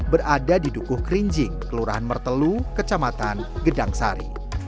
berada di dukuh kerinjing kelurahan mertelu kecamatan gedang sari